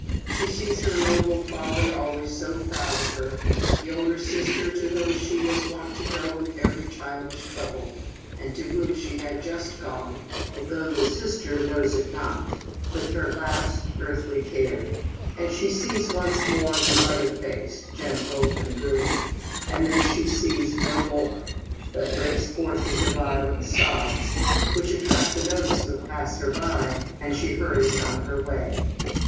She sees her noble father, always so proud of her, the older sister, to whom she was wont to go with every childish trouble, and to whom she has just gone, although the sister knows it not, with her last earthly care ; and she sees once more the mother face, gentle and good — and then she sees no more, but breaks forth into violent sobs, which attract the notice of a passer by — and she hurries on her way.